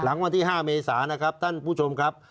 วันที่๕เมษานะครับท่านผู้ชมครับ